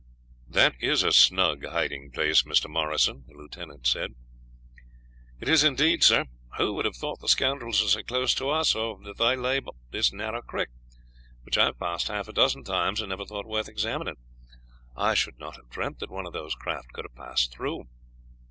"That is a snug hiding place, Mr. Morrison," the lieutenant said. "It is indeed, sir. Who would have thought the scoundrels were so close to us, or that they lay up this narrow creek, which I have passed half a dozen times and never thought worth examining? I should not have dreamt that one of those craft could have passed through."